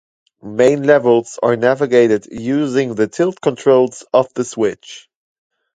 Main levels are navigated using the tilt controls of the Switch.